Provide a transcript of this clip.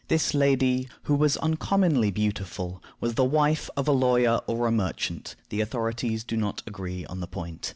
This lady, who was uncommonly beautiful, was the wife of a lawyer or a merchant (the authorities do not agree on the point).